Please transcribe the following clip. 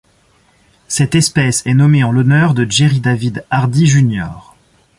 Cette espèce est nommée en l'honneur de Jerry David Hardy Jr.